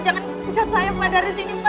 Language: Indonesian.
jangan meja saya pak dari sini pak